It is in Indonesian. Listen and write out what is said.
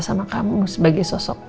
sama kamu sebagai sosok